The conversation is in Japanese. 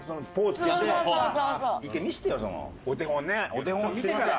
お手本を見てから。